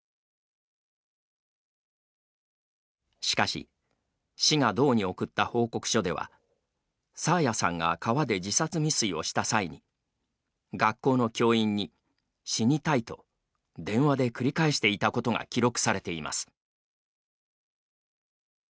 しかし、市が道に送った報告書では爽彩さんが川で自殺未遂をした際に学校の教員に、死にたいと電話で繰り返していたことが記録されています。